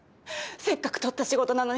せっかく取った仕事なのに。